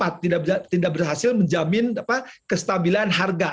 tidak berhasil menjamin kestabilan harga